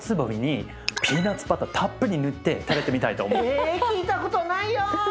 え聞いたことないよ。